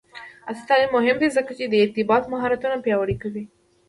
عصري تعلیم مهم دی ځکه چې د ارتباط مهارتونه پیاوړی کوي.